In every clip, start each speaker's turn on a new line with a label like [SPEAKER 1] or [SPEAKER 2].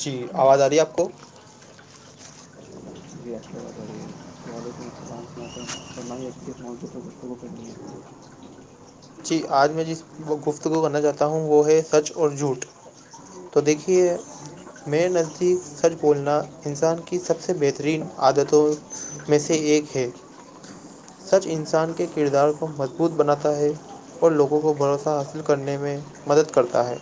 [SPEAKER 1] جی آواز آ رہی ہے آپ کو
[SPEAKER 2] جی آپ کی بات ہو رہی ہے وعلیکم السلام ورحمۃ اللہ فرمائیے کس موصوور پر دستوں کوو کرنی ہے
[SPEAKER 1] جی آج میں جس گفت کو کرنا چاہتا ہوں وہ ہے سچ اور جھوٹ تو دیکھیے میرے نزدیک سچ بولنا انسان کی سب سے بہترین عادتوں میں سے ایک ہے سچ انسان کے کردار کو مضبوط بناتا ہے اور لوگوں کو بھروسہ حاصل کرنے میں مدد کرتا ہے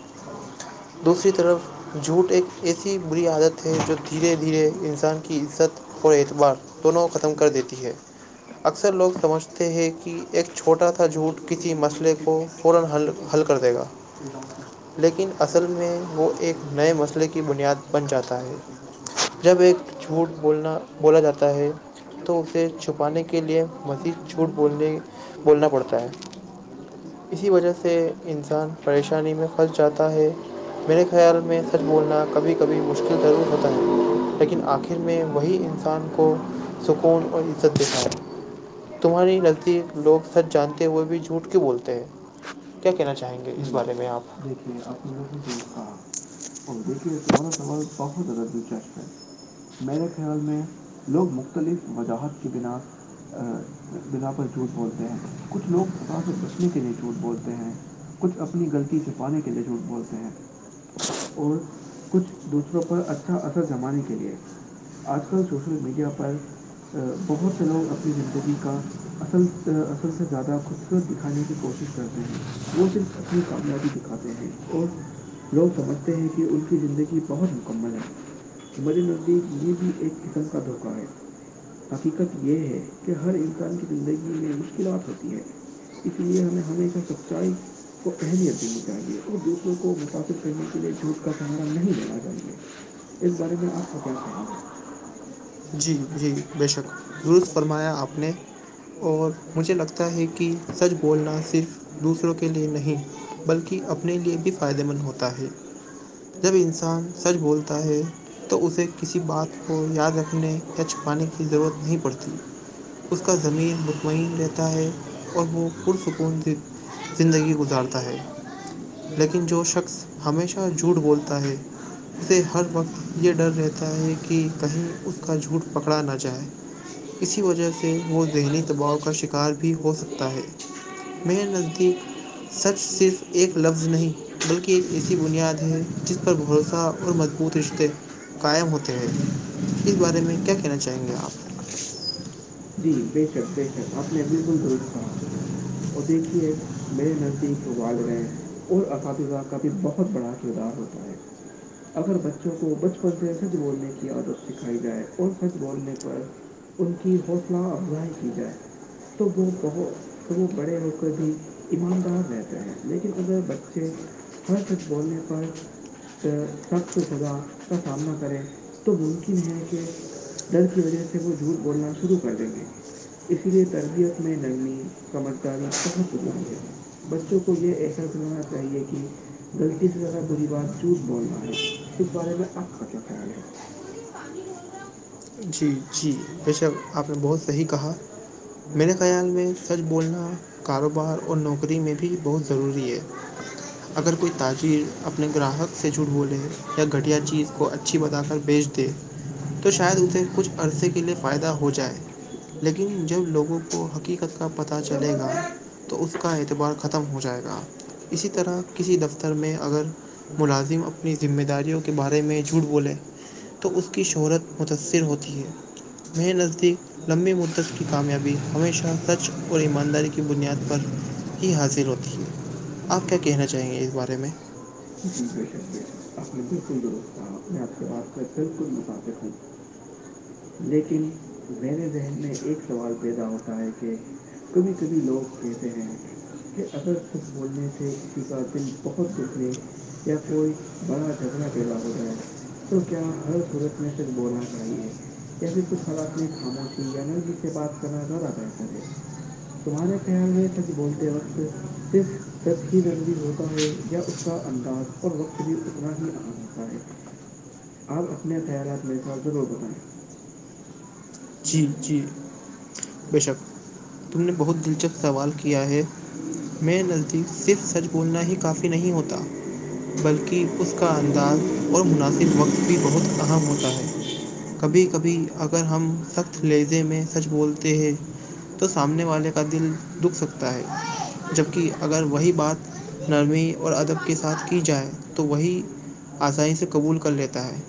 [SPEAKER 1] دوسری طرف جھوٹ ایک ایسی بری عادت ہے جو دھیرے دھیرے انسان کی عزت اور اعتبار دونوں کو ختم کر دیتی ہے اکثر لوگ سمجھتے ہیں کہ ایک چھوٹا تھا جھوٹ کسی مسلے کو فور حل حل کر دے گا
[SPEAKER 2] یہ بات سن
[SPEAKER 1] لیکن اصل میں وہ ایک نئے مسئلے کی بنیاد بن جاتا ہے جب ایک جھوٹ بولنا بولا جاتا ہے تو اسے چھپانے کے لیے مزید چھوٹ بولنے بولنا پڑتا ہے اسی وجہ سے انسان پریشانی میں پھنس جاتا ہے میرے خیال میں سچ بولنا کبھی کبھی مشکل ضرور ہوتا ہے لیکن آخر میں وہی انسان کو سکون اور عزت دیتا ہے تمہاری نزدیک لوگ سچ جانتے ہوئے بھی جو چھوٹ کے بولتے ہیں کیا کہنا چاہیں گے اس بارے میں آپ
[SPEAKER 2] اپنے لوگوں دوست کہا اور دیکھیے تمہارا سوال بہت زیادہ دلچسپ ہے میرے خیال میں لوگ مختلف وضاحت کی بنا ا بنا پر جھوٹ بولتے ہیں کچھ لوگ سزا سے بچنے کے لیے جھوٹ بولتے ہیں کچھ اپنی غلطی چھپانے کے لئے جھوٹ بولتے ہیں اور کچھ دوسروں پر اچھا اثر جمانے کے لیے آج کل سوشل میڈیا پر بہت سے لوگ اپنی زندگی کا اصل اصل سے زیادہ خوبصورت دکھانے کی کوشش کرتے ہیں وہ صرف اپنی کامیابی کھاتے ہیں اور لوگ سمجھتے ہیں کہ ان کی زندگی بہت مکمل ہے مری ندی یہ بھی ایک قسم کا دھوکہ ہے حقیقت یہ ہے کہ ہر انسان کی زندگی میں مشکلات ہوتی ہے اس لیے ہمیں ہمیشہ سچائی کو اہمیت دینییے چاہیے اور دوسروں کو متثر کرنے کے لیے جھوٹ کا سہارا نہیں لینا چاہیے اس بارے میں آپ کو کیا کہیں گے
[SPEAKER 1] جی جی بے شک درست فرمایا آپ نے اور مجھے لگتا ہے کہ سچ بولنا صرف دوسروں کے لیے نہیں بلکہ اپنے لیے بھی فائدہ مند ہوتا ہے جب انسان سچ بولتا ہے تو اسے کسی بات کو یاد رکھنے یا چھپانے کی ضرورت نہیں پڑتی اس کا زمین مطمئن رہتا ہے اور وہ پرسکون سے زندگی گزارتا ہے لیکن جو شخص ہمیشہ جھوٹ بولتا ہے اسے ہر وقت یہ ڈر رہتا ہے کہ کہیں اس کا جھوٹ پکڑا نہ جائے اسی وجہ سے وہ ذہنی دباؤ کا شکار بھی ہو سکتا ہے میرے نزدیک سچ صرف ایک لفظ نہیں بلکہ ایک ایسی بنیاد ہے جس پر بھروسہ اور مضبوط رشتے قائم ہوتے ہیں اس بارے میں کیا کہنا چاہیں گے آپ
[SPEAKER 2] جی بے شک بے شک آپ نے بالکل درست کہا اور دیکھیے میرے نزدیک وال رہے ہیں اور اساتذہ کا بھی بہت بڑا کردار ہوتا ہے اگر بچوں کو بچپن سے سچ بولنے کی عادت سکھائی جائے اور سچ بولنے پر ان کی حوصلہ افزائی کی جائے تو وہ بہت تو وہ بڑے ہو کر بھی ایماندار رہتے ہیں لیکن اگر بچے ہر سچ بولنے پر سخت سزا کا سامنا کریں تو ممکن ہے کہ ڈر کی وجہ سے وہ جھوٹ بولنا شروع کر دیں گے اسی لیے تربیت میں نرمی سمجھداری بہت ضروری ہے بچوں کو یہ ایسا سنانا چاہیے کہ غلطی سے زیادہ بری بات جھوٹ بولنا ہے اس بارے میں آپ کا کیا خیال ہے
[SPEAKER 1] جی جی بے شک آپ نے بہت صحیح کہا میرے خیال میں سچ بولنا کاروبار اور نوکری میں بھی بہت ضروری ہے اگر کوئی تاجر اپنے گراہک سے جڑ بولے یا گھٹیا چیز کو اچھی بتا کر بیچ د تو شاید اسے کچھ عرصے کے لیے فائدہ ہو جائے لیکن جب لوگوں کو حقیقت کا پتہ چلے گا تو اس کا اعتبار ختم ہو جائے گا اسی طرح کسی دفتر میں اگر ملازم اپنی ذمہ داریوں کے بارے میں جھوٹ بولے تو اس کی شہرت متاثر ہوتی ہے میں نزدیک لمبی متت کی کامیابی ہمیشہ سچ اور ایمانداری کی بنیاد پر ہی حاصل ہوتی ہے آپ کیا کہنا چاہیں گے اس بارے میں
[SPEAKER 2] جی بے شک بے شک آپ نے بالکل درست کہا میں آپ کے بات سے بالکل متفق ہوں
[SPEAKER 1] [inaudible]
[SPEAKER 2] لیکن میرے ذہن میں ایک سوال پیدا ہوتا ہے کہ کبھی کبھی لوگ کہتے ہیں کہ اگر سچ بولنے سے کسی کا دل بہت دکھ لے یا کوئی بڑا جھگڑا پیدا ہو جائے تو کیا ہر صورت میں صرف بولنا چاہیے یا پھر کچھ حالات میں خاموشی یا نلمیی سے بات کرنا زیادہ بہتر ہے تمہارے خیال میں سچ بولتے وقت صرف سچ ہی ضروری ہوتا ہے یا اس کا انداز اور وقت بھی اتنا ہی اہم ہوتا ہے آپ اپنے خیالات میر ساتھ ضرور بتائیں
[SPEAKER 1] جی جی بے شک تم نے بہت دلچسپ سوال کیا ہے میں نزدیک صرف سچ بولنا ہی کافی نہیں ہوتا بلکہ اس کا انداز اور مناسب وقت بھی بہت اہم ہوتا ہے کبھی کبھی اگر ہم سخت لیہزے میں سچ بولتے ہیں تو سامنے والے کا دل دکھ سکتا ہے جبک اگر وہی بات نرمی اور ادب کے ساتھ کی جائے تو وہی آسانی سے قبول کر لیتا ہے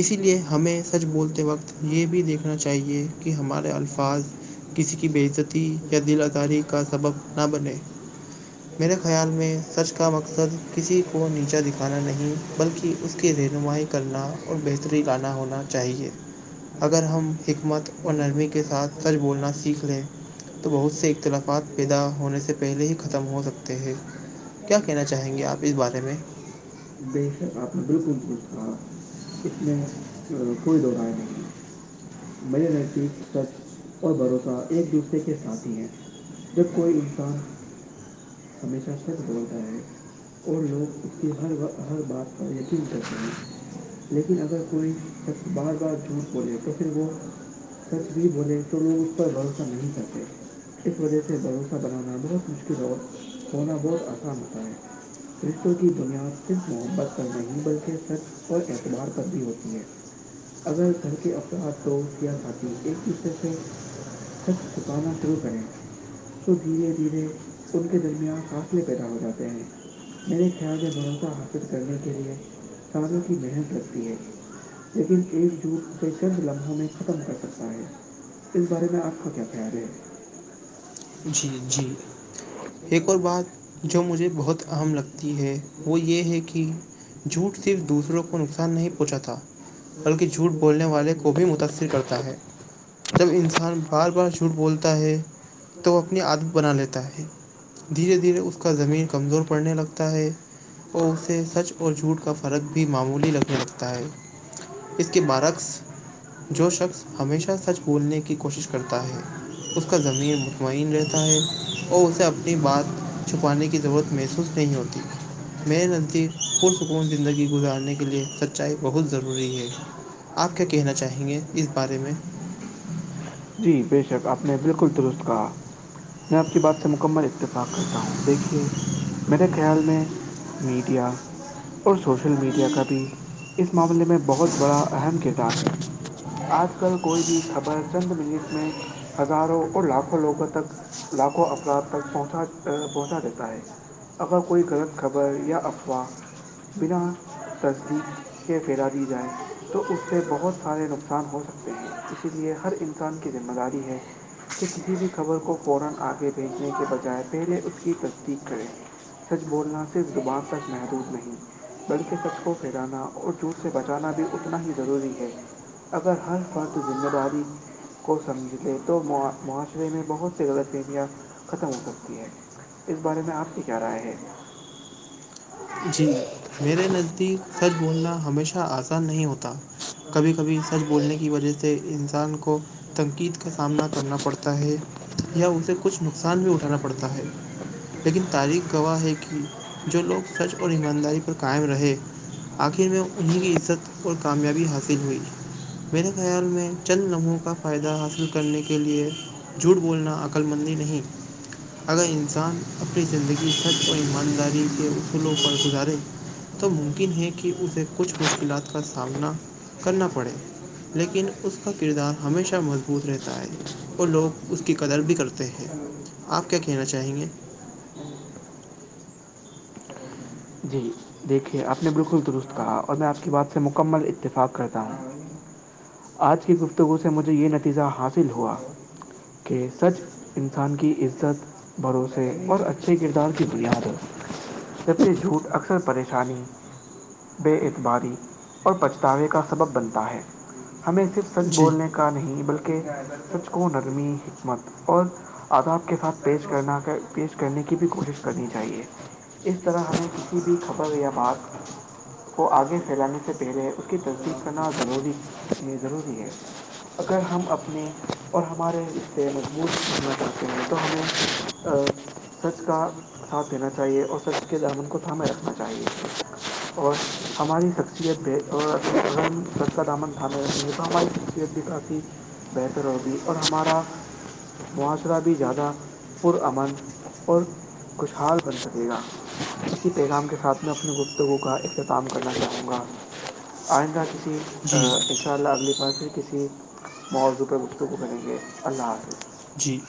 [SPEAKER 1] اسی لیے ہمیں سچ بولتے وقت یہ بھی دیکھ رنا چاہیے کہ ہمارے الفاظ کسی کی بےعزتی یا دل آزاری کا سبب نہ بنے میرے خیال میں سچ کا مقصد کسی کو نیچا دکھانا نہیں بلکہ اس کی رہنمائی کرنا اور بہتری لانا ہونا چاہیے اگر ہم حکمت اور نرمی کے ساتھ سچ بولنا سیکھ لے تو بہت سے اختلافات پیدا ہونے سے پہلے ہی ختم ہو سکتے ہیں کیا کہنا چاہیں گے آپ اس بارے میں
[SPEAKER 2] ش آپ نے بالکل پوچ کہا اس میں کوئی د رائے نہیں ہے میرے نزدیک سچ اور بھروسہ ایک دوسرے کے ساتھی ہیں جب کوئی انسان ہمیشہ سچ بولتا ہے اور لوگ اس کی ہر ہر بات اور یہ مت لیکن اگر کوئیب بار بار جھوٹ بولے تو پھر وہ سچ بھی بولے تو لوگ اس پر بھروسہ نہیں کرتے اس وجہ سے بھروسہ بنانا بہت مشکل اور ہونا بہت آسان ہوتا ہے رشتوں کی بنیاد صرف محبت پر نہیں بلکہ سچ اور اعتبار پر بھی ہوتی ہے اگر گھر کے افراد دوست یا ساتھی ایک دوسرے سے سچ چھپانا شروع کریں تو دھیرے دھیرے ان کے درمیان فاصلے پیدا ہو جاتے ہیں میرے خیال میں بھروسہ حاصل کرنے کے لیے سالوں کی محنت لگتی ہے لیکن ایک جٹ اسے چند لمحوں میں ختم کر سکتا ہے اس بارے میں آپ کا کیا خیال ہے
[SPEAKER 1] جی جی ایک اور بات جو مجھے بہت اہم لگتی ہے وہ یہ ہے کہ جھوٹ صرف دوسروں کو نقصان نہیں پہنچا تھا بلکہ جھوٹ بولنے والے کو بھی متاأثر کرتا ہے جب انسان بار بار جھوٹ بولتا ہے تو وہ اپنی عدم بنا لیتا ہے دھیرے دھیرے اس کا زمین کمزور پڑنے لگتا ہے اور اسے سچ اور جھوٹ کا فرق بھی معمولی لگنے لگتا ہے اس کے برعکس جو شخص ہمیشہ سچ بھولنے کی کوشش کرتا ہے اس کا زمین رہتا ہے اور اسے اپنی بات چھپانے کی ضرورت محسوس نہیں ہوتی میرے منظر پرسکون زندگی گزارنے کے لئے سچائی بہت ضروری ہے آپ کیا کہنا چاہیں گے اس بارے میں
[SPEAKER 2] جی بے شک آپ نے بالکل درست کہا میں آپ کی بات سے مکمل اتفاق کرتا ہوں دیکھیے میرے خیال میں میڈیا اور سوشل میڈیا کا بھی اس معاملے میں بہت بڑا اہم کردار ہے آج کل کوئی بھی خبر چند منٹ میں ہزاروں اور لاکھوں لوگوں تک لاکھوں افراد تک پہنچا پہنچا دیتا ہے اگر کوئی غلط خبر یا افواہ بنا تصدیق کے پھیلا دی جائے تو اس سے بہت سارے نقصان ہو سکتے ہیں اسی لیے ہر انسان کی ذمہ داری ہے اس کی تصدیق کریں سچ بولنا صرف زبان تک محدود نہیں بلکہ سچ کو پھیرانا اور جھوٹ سے بچانا بھی اتنا ہی ضروری ہے اگر ہر فرد ذمہ داری کو سمجھ لے تو معاشرے میں بہت سے غلط فہمیاں ختم ہو سکتی ہے اس بارے میں آپ کی کیا رائے ہے
[SPEAKER 1] جی میرے نزدیک سچ بولنا ہمیشہ آسان نہیں ہوتا کبھی کبھی سچ بولنے کی وجہ سے انسان کو تنقید کا سامنا کرنا پڑتا ہے یا اسے کچھ نقصان بھی اٹھانا پڑتا ہے لیکن تاریخ گواہ ہے کہ جو لوگ سچ اور ایمانداری پر قائم رہے آخر میں انہیں کی عزت اور کامیابی حاصل ہوئی میرے خیال میں چند لمحوں کا فائدہ حاصل کرنے کے لئے جھوٹ بولنا عقللمندی نہیں اگر انسان اپنی زندگی سر کو ایمانداری کے وپ پر گزارے تو ممکن ہے کہ اسے کچھ مشکلات کا سامنا کرنا پڑے لیکن اس کا کردار ہمیشہ مضبوط رہتا ہے اور لوگ اس کی قدر بھی کرتے ہیں آپ کیا کہنا چاہیں گے
[SPEAKER 2] جی دیکھیے آپ نے بالکل درست کہا اور میں آپ کی بات سے مکمل اتفاق کرتا ہوں آج کی گفتگو سے مجھے یہ نتیجہ حاصل ہوا کہ سچ انسان کی عزت بھروسے اور اچھے کردار کی بنیاد ہے جبے جھوٹ اکثر پریشانی بے اعتباری اور پچھتاوے کا سبب بنتا ہے ہمیں سے صرف سچ
[SPEAKER 1] جی
[SPEAKER 2] بولنے کا نہیں بلکہ سچ کو نرمی حکمت اور آدابپ کے ساتھ پیش کرنا پیش کرنے کی بھی کوشش کرنی چاہیے اس طرح ہمیں کسی بھی خبر یا بات کو آگے پھیلانے سے پہلے اس کی تصدیق کرنا ضروری ضروری ہے اگر ہم اپنے اور ہمارے اس سے مضبوط کرنا کرتے ہیں تو ہمیں سچ کا ساتھ دینا چاہیے اور سچ کے دامن کو تھامے رکھنا چاہے چاہے اور ہماری شخصیت بھی اور سد آمن ہمیں ہماری خخصیت بھی کافی بہتر ہوگی اور ہمارا معاشرہ بھی زیادہ پرامن اور خوشحال بن سکے گا اسی پیغام کے ساتھ ساتھ میں اپنی گفتگو کا اختتام کرنا چاہوں گا آئندہ کسی
[SPEAKER 1] جی
[SPEAKER 2] ان شاء اللہ اگلی بار پھر کسی موضوع پرہ گفتگو کریں گے اللہ حافظ
[SPEAKER 1] جی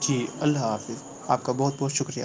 [SPEAKER 1] جی اللہ حافظ آپ کا بہت بہت شکریہ